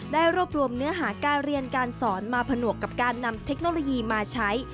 ได้รวบรวมเนื้อหาการเรียนการสอนมาผนวกกับการนำเทคโนโลยีมาใช้